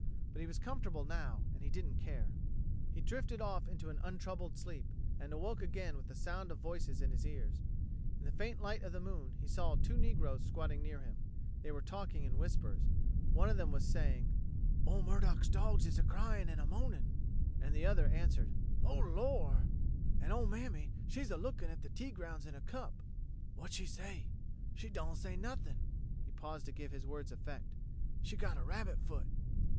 But he was comfortable now, and he didn't care. He drifted off into an untroubled sleep, and awoke again with the sound of voices in his ears. In the faint light of the moon, he saw two negroes squatting near him. They were talking in whispers. One of them was saying: "Ol' Murdock's dawgs is a cryin' and a moanin' " And the other answered: "Oh, Lor'!" "An' ol' mammy, she's a looking at the tea grounds in a cup." "What she say?" "She don' say nothing." He paused to give his words effect. "She got a rabbit foot."